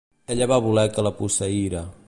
Ella va voler que la posseïra.